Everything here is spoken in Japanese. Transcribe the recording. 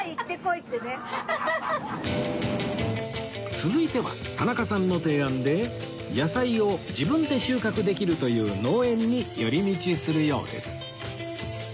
続いては田中さんの提案で野菜を自分で収穫できるという農園に寄り道するようです